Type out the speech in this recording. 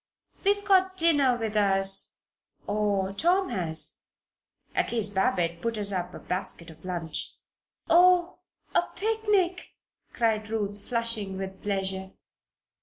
"We've got dinner with us or, Tom has. At least, Babette put us up a basket of lunch." "Oh! A picnic!" cried Ruth, flushing with pleasure.